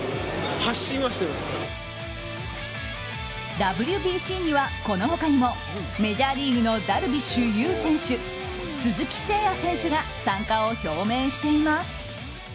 ＷＢＣには、この他にもメジャーリーグのダルビッシュ有選手鈴木誠也選手が参加を表明しています。